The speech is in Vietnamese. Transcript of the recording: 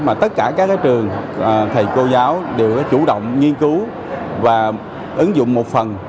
mà tất cả các trường thầy cô giáo đều chủ động nghiên cứu và ứng dụng một phần